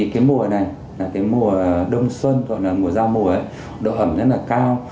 cái mùa này là cái mùa đông xuân gọi là mùa giao mùa độ ẩm rất là cao